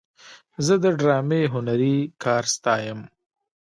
زه د ډرامې هنري کار ستایم.